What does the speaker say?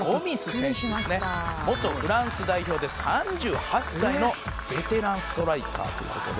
「元フランス代表で３８歳のベテランストライカーという事で」